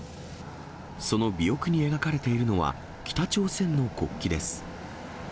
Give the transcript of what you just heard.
その尾翼に描かれているのは、北朝鮮の国旗です。